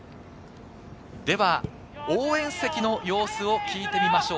では応援席の様子を聞いてみましょう。